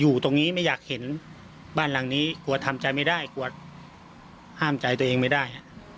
อยู่ตรงนี้ไม่อยากเห็นบ้านหลังนี้กลัวทำใจไม่ได้กลัวห้ามใจตัวเองไม่ได้